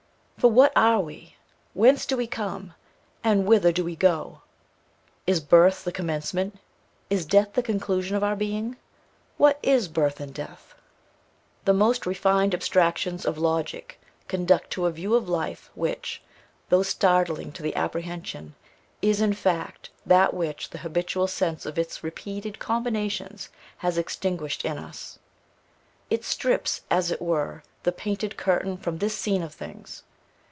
For what are we? Whence do we come? and whither do we go? Is birth the commencement, is death the conclusion of our being? What is birth and death? The most refined abstractions of logic conduct to a view of life, which, though startling to the apprehension, is, in fact, that which the habitual sense of its repeated combinations has extinguished in us. It strips, as it were, the painted curtain from this scene of things.